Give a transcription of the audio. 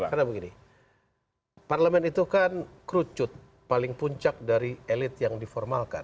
karena begini parlemen itu kan kerucut paling puncak dari elit yang diformalkan